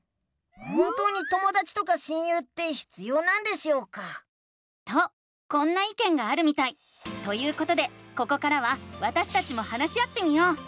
本当にともだちとか親友って必要なんでしょうか？とこんないけんがあるみたい！ということでここからはわたしたちも話し合ってみよう！